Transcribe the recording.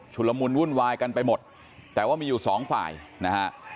ละมุนวุ่นวายกันไปหมดแต่ว่ามีอยู่สองฝ่ายนะฮะ